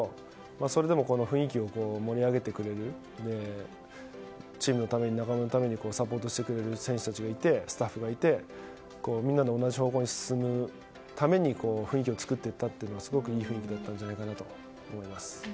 それでも雰囲気を盛り上げてくれるチームのために仲間のためにサポートしてくれる選手たちがいて、スタッフがいてみんなで同じ方向に進むために雰囲気を作っていったのですごくいい雰囲気だったんじゃないかと思います。